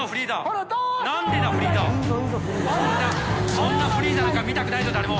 そんなフリーザなんか見たくないぞ誰も。